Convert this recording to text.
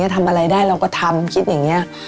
ทำอะไรได้เราก็ทำคิดอย่างนี้